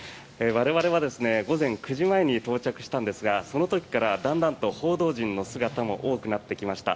我々は午前９時前に到着したんですがその時からだんだんと報道陣の姿も多くなってきました。